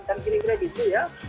kan kira kira gitu ya